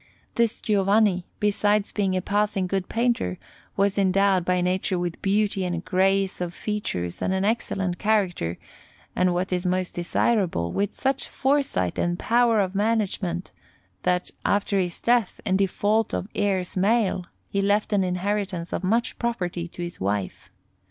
This Giovanni, besides being a passing good painter, was endowed by Nature with beauty and grace of features and an excellent character, and, what is most desirable, with such foresight and power of management, that, after his death, in default of heirs male, he left an inheritance of much property to his wife.